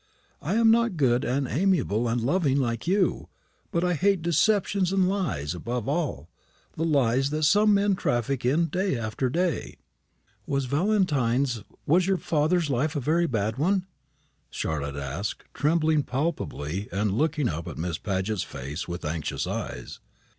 I am not good and amiable and loving, like you; but I hate deceptions and lies; above all, the lies that some men traffic in day after day." "Was Valentine's was your father's life a very bad one?" Charlotte asked, trembling palpably, and looking up at Miss Paget's face with anxious eyes.